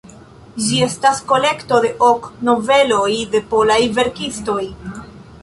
Ĝi estas kolekto de ok noveloj de polaj verkistoj.